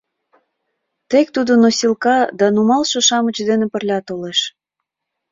Тек тудо носилка да нумалше-шамыч дене пырля толеш.